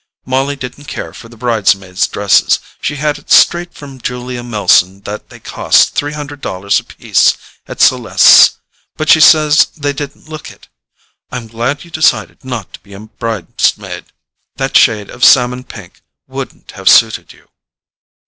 Molly didn't care for the bridesmaids' dresses. She had it straight from Julia Melson that they cost three hundred dollars apiece at Celeste's, but she says they didn't look it. I'm glad you decided not to be a bridesmaid; that shade of salmon pink wouldn't have suited you."